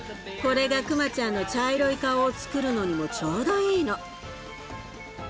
これがくまちゃんの茶色い顔をつくるのにもちょうどいいの。